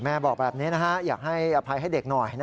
แม่บอกแบบนี้อยากให้อภัยให้เด็กหน่อย